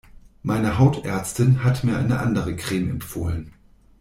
Meine Hautärztin hat mir eine andere Creme empfohlen.